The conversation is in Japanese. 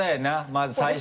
まず最初。